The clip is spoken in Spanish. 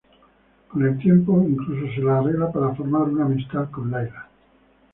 Con el tiempo, incluso se las arregla para formar una amistad con Layla.